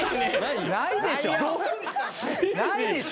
ないでしょ。